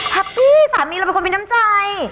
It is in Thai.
แฮปปี้สามีเราเป็นคนมีน้ำใจ